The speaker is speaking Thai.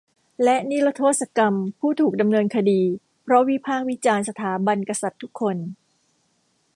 และนิรโทษกรรมผู้ถูกดำเนินคดีเพราะวิพากษ์วิจารณ์สถาบันกษัตริย์ทุกคน